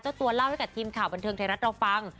ตัวเล่าให้กับทีมข่าวบันเทิงไทยรัฐเราฟัง